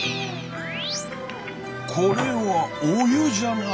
これはお湯じゃな。